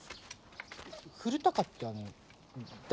古高ってあの誰？